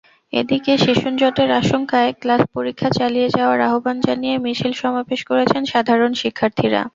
এদিকে সেশনজটের আশঙ্কায় ক্লাস-পরীক্ষা চালিয়ে যাওয়ার আহ্বান জানিয়ে মিছিল-সমাবেশ করেছেন সাধারণ শিক্ষার্থীরা।